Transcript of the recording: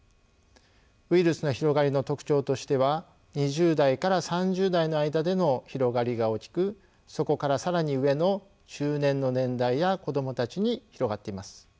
ウイルスの広がりの特徴としては２０代から３０代の間での広がりが大きくそこから更に上の中年の年代や子どもたちに広がっています。